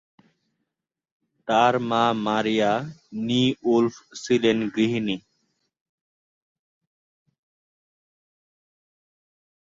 তার মা Maria née Wolf ছিলেন গৃহিণী।